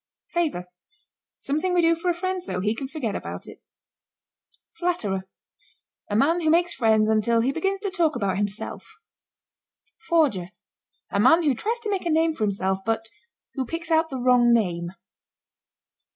FAVOR. Something we do for a friend so he can forget about it. FLATTERER. A man who makes friends until he begins to talk about himself. FORGER. A man who tries to make a name for himself, but who picks out the wrong name.